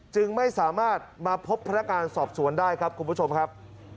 จึงไม่สามารถมาพบพนักงานสอบสวนได้ครับคุณผู้ชมครับ